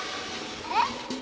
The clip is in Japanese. えっ？